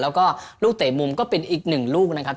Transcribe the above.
แล้วก็ลูกเตะมุมก็เป็นอีกหนึ่งลูกนะครับ